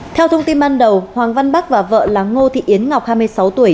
theo thông tin ban đầu hoàng văn bắc và vợ là ngô thị yến ngọc hai mươi sáu tuổi